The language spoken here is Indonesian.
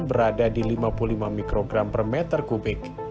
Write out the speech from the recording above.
baku mutu rata rata tahunan berada di lima puluh lima mikrogram per meter kubik